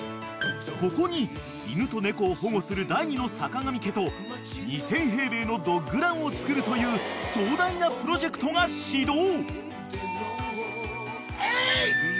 ［ここに犬と猫を保護する第２の坂上家と２，０００平米のドッグランを作るという壮大なプロジェクトが始動］